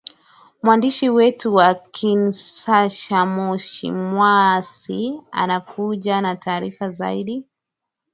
mwandishi wetu wa kinshasa mosi mwasi anakuja na taarifa zaidi